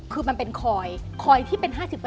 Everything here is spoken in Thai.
คือมันเป็นคอยคอยที่เป็น๕๐